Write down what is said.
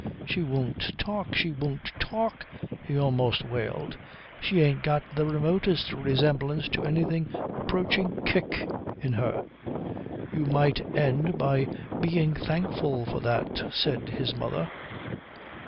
She won't talk. She won't talk," he almost wailed. "She ain't got the remotest resemblance to anything approaching kick in her." "You might end by being thankful for that," said his mother.